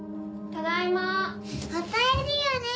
ただいま。